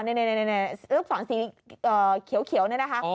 นี่ฝั่งสีเขียวนี่นะคะ